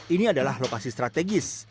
ini adalah lokasi strategis